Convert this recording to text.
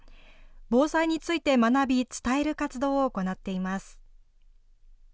防災について学び、伝える活動を行っています。